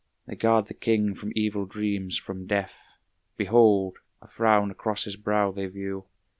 They guard the king from evil dreams, from death. Behold! a frown across his brow they view.